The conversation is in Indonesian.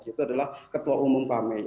itu adalah ketua umum kami